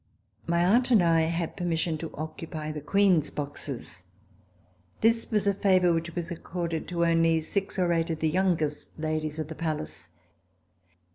My aunt and I had permission to occupy the Queen's boxes. This was a favor which was accorded to only six or eight of the youngest ladies of the Palace.